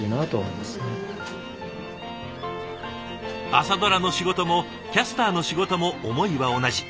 「朝ドラ」の仕事もキャスターの仕事も思いは同じ。